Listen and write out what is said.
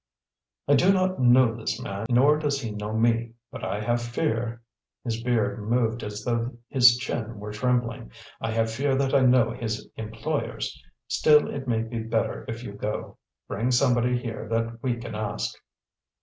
"I do not know this man, nor does he know me, but I have fear" his beard moved as though his chin were trembling "I have fear that I know his employers. Still, it may be better if you go. Bring somebody here that we can ask."